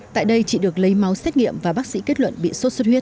tại đây chị được lấy máu xét nghiệm và bác sĩ kết luận bị sốt xuất huyết